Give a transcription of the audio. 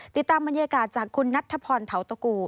ติดตามบรรยากาศจากคุณนัทธพรเทาตะกู